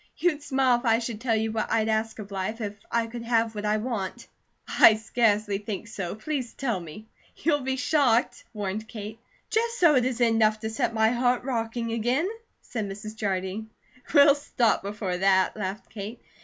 You'd smile if I should tell you what I'd ask of life, if I could have what I want." "I scarcely think so. Please tell me." "You'll be shocked," warned Kate. "Just so it isn't enough to set my heart rocking again," said Mrs. Jardine. "We'll stop before that," laughed Kate.